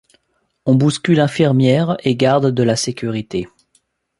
On bouscule infirmières et gardes de la sécurité.